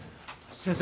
先生。